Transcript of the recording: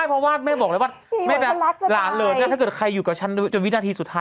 ไม่เพราะว่าแม่บอกเลยว่าลานเลยนะถ้าเกิดใครอยู่กับฉันจนวินาทีสุดท้าย